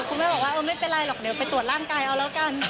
คุณแม่บอกว่าเออไม่เป็นไรหรอกเดี๋ยวไปตรวจร่างกายเอาแล้วกัน